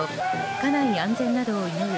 家内安全などを祈る